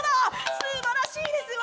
「すばらしいですわ！